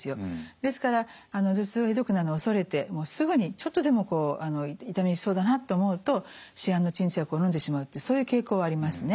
ですから頭痛がひどくなるのを恐れてもうすぐにちょっとでも痛みそうだなって思うと市販の鎮痛薬をのんでしまうというそういう傾向はありますね。